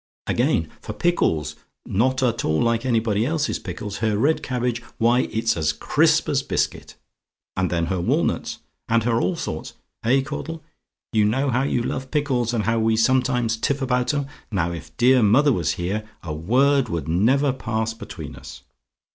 "Again, for pickles! Not at all like anybody else's pickles. Her red cabbage why, it's as crisp as biscuit! And then her walnuts and her all sorts! Eh, Caudle? You know how you love pickles; and how we sometimes tiff about 'em? Now if dear mother was here, a word would never pass between us.